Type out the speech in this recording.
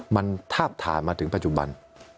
มันทาบทามมาถึงปัจจุบัน